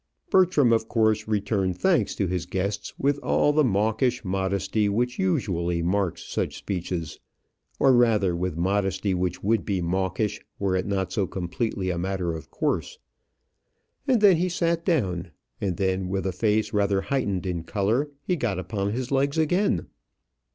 Bertram of course returned thanks to his guests with all the mawkish modesty which usually marks such speeches or, rather, with modesty which would be mawkish were it not so completely a matter of course. And then he sat down; and then, with a face rather heightened in colour, he got upon his legs again.